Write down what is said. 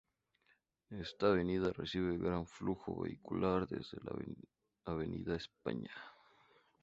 Esta avenida recibe gran flujo vehicular desde Avenida España.